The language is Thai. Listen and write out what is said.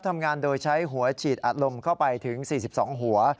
ทำงานโดยใช้หัวฉีดอัดลมเข้าไปถึง๔๒หัว